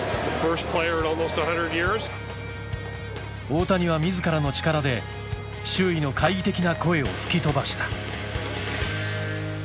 大谷は自らの力で周囲の懐疑的な声を吹き飛ばした。